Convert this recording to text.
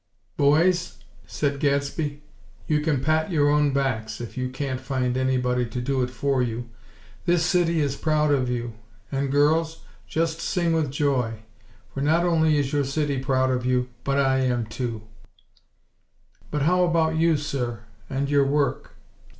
"Boys," said Gadsby, "you can pat your own backs, if you can't find anybody to do it for you. This city is proud of you. And, girls, just sing with joy; for not only is your city proud of you, but I am, too." "But how about you, sir, and your work?"